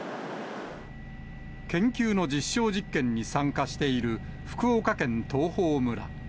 研究の実証実験に参加している福岡県東峰村。